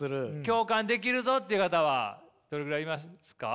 共感できるぞっていう方はどれぐらいいますか？